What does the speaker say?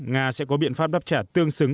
nga sẽ có biện pháp đáp trả tương xứng